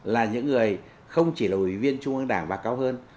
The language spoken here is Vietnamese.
là những người không chỉ là ủy viên trung ương đảng mà cao hơn